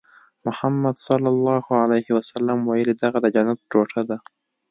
محمد ص ویلي دغه د جنت ټوټه ده.